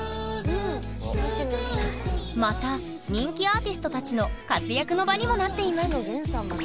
また人気アーティストたちの活躍の場にもなっています。